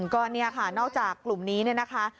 ก็เนี่ยค่ะนอกจากกลุ่มนี้เนี่ยนะคะ